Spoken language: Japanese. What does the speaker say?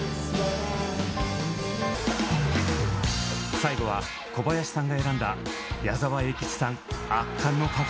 最後は小林さんが選んだ矢沢永吉さん圧巻のパフォーマンスです。